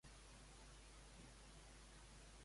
Com ha acabat l'últim partit de la Copa de la Reina?